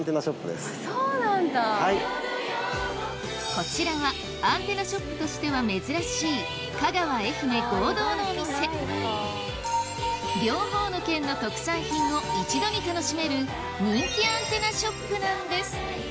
こちらはアンテナショップとしては珍しい香川愛媛合同のお店両方の県の特産品を一度に楽しめる人気アンテナショップなんです